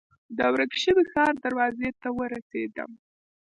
د ورک شوي ښار دروازې ته ورسېدم.